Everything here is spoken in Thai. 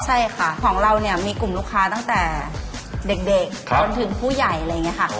ใช่ค่ะของเราเนี่ยมีกลุ่มลูกค้าตั้งแต่เด็กจนถึงผู้ใหญ่อะไรอย่างนี้ค่ะ